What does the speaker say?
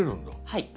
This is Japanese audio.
はい。